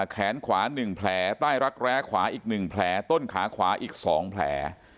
แขนขวา๑แผลใต้รักแร้ขวาอีก๑แผลต้นขาขวาอีก๒แผล